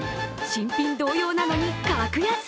新品同様なのに格安。